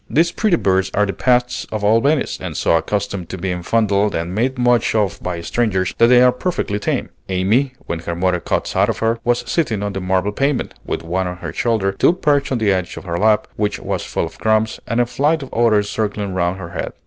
These pretty birds are the pets of all Venice, and so accustomed to being fondled and made much of by strangers, that they are perfectly tame. Amy, when her mother caught sight of her, was sitting on the marble pavement, with one on her shoulder, two perched on the edge of her lap, which was full of crumbs, and a flight of others circling round her head.